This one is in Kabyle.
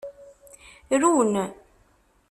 Run.